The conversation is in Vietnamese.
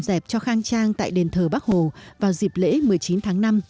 dẹp cho khang trang tại đền thờ bắc hồ vào dịp lễ một mươi chín tháng năm